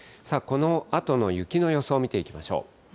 このあとの雪の予想を見ていきましょう。